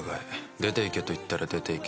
出ていけと言ったら出ていけ。